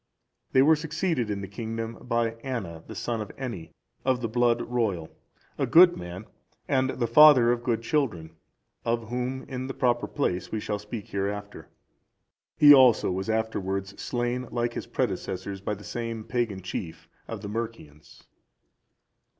They were succeeded in the kingdom by Anna,(378) the son of Eni, of the blood royal, a good man, and the father of good children, of whom, in the proper place, we shall speak hereafter. He also was afterwards slain like his predecessors by the same pagan chief of the Mercians.